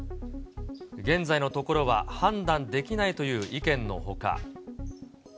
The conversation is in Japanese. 現在のところは判断できないという意見のほか。